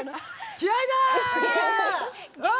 気合いだー！